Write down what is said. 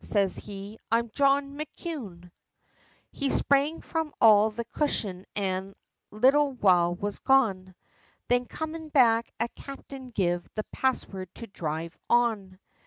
siz he, "I'm John McKune," He sprang from off the cushion, an' a little while was gone, Then comin' back, a captain gev the password, to dhrive on!